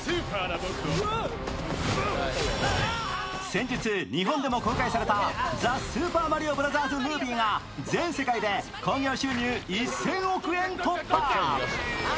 先日、日本でも公開された「ザ・スーパーマリオブラザーズ・ムービー」が全世界で興行収入１０００億円突破。